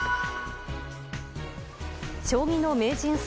将棋の名人戦